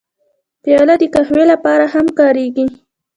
پیاله د قهوې لپاره هم کارېږي.